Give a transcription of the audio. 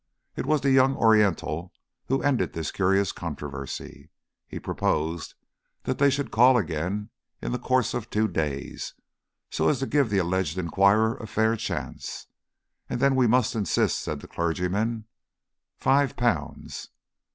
It was the young Oriental who ended this curious controversy. He proposed that they should call again in the course of two days so as to give the alleged enquirer a fair chance. "And then we must insist," said the clergyman, "Five pounds."